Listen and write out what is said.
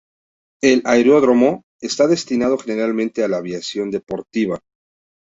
El aeródromo está destinado generalmente a la aviación deportiva.